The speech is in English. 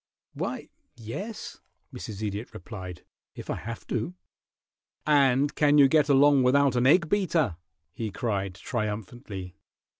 "Why, yes," Mrs. Idiot replied, "if I have to." "And can you get along without an egg beater?" he cried, triumphantly.